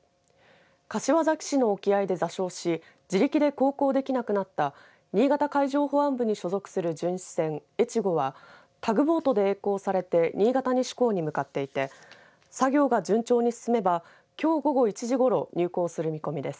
柏崎市の沖合で座礁し自力で航行できなくなった新潟海上保安部に所属する巡視船えちごはタグボートでえい航されて新潟西港に向かっていて作業が順調に進めばきょう午後１時ごろ入港する見込みです。